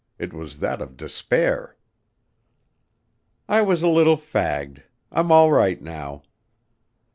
It was that of despair." "I was a little fagged. I'm all right now."